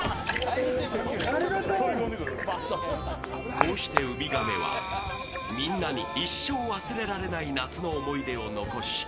こうしてウミガメは、みんなに一生忘れられない夏の思い出を残し